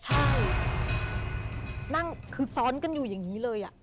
ใช่นั่งคือซ้อนกันอยู่อย่างนี้เลย